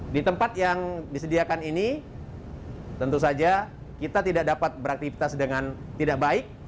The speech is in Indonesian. di tempat yang disediakan ini tentu saja kita tidak dapat beraktivitas dengan tidak baik